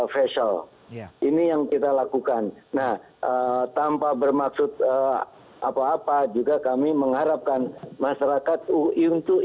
facial ini yang kita lakukan nah tanpa bermaksud apa apa juga kami mengharapkan masyarakat ui untuk